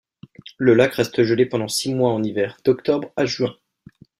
Le lac reste gelé pendant six mois en hiver, d'octobre à juin.